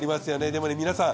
でもね皆さん。